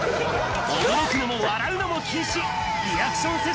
驚くのも笑うのも禁止。